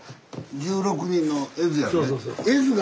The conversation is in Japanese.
十六人の絵図やね。